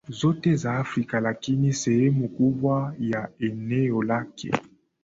zote za Afrika lakini sehemu kubwa ya eneo lake